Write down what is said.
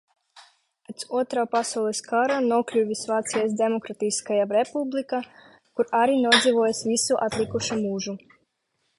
Pēc Otrā pasaules kara nokļuvis Vācijas Demokrātiskajā republikā, kur arī nodzīvojis visu atlikušo mūžu.